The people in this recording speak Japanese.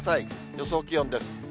予想気温です。